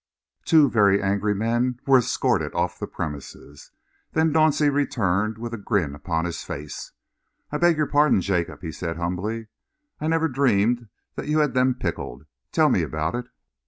Two very angry men were escorted off the premises. Then Dauncey returned with a grin upon his face. "I beg your pardon, Jacob," he said humbly. "I never dreamed that you had them pickled. Tell me about it?"